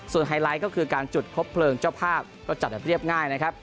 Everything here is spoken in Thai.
ไฮไลท์ก็คือการจุดพบเพลิงเจ้าภาพก็จัดแบบเรียบง่ายนะครับ